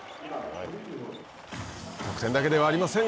得点だけではありません。